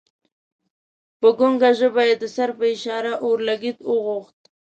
په ګنګه ژبه یې د سر په اشاره اورلګیت وغوښت.